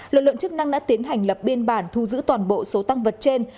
lực lượng chức năng đã tiến hành lập biên bản thu giữ toàn bộ số tăng vật trên